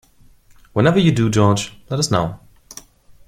Whenever you do, George, let us know.